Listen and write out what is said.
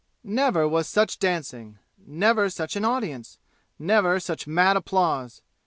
Never was such dancing! Never such an audience! Never such mad applause!